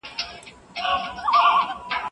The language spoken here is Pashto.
تاسو کله د غره د مېوو خوند کتلی دی؟